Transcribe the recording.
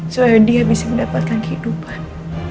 supaya dia bisa mendapatkan kehidupan